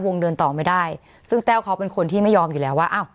เดินต่อไม่ได้ซึ่งแต้วเขาเป็นคนที่ไม่ยอมอยู่แล้วว่าอ้าว